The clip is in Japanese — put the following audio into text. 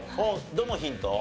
どのヒント？